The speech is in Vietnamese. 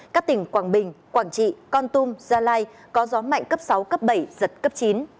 các tỉnh quảng bình quảng trị con tum gia lai có gió mạnh cấp sáu cấp bảy giật cấp chín